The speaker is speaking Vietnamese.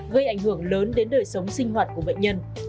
gây ảnh hưởng lớn đến đời sống sinh hoạt của bệnh nhân